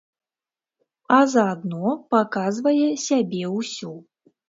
А заадно паказвае сябе ўсю.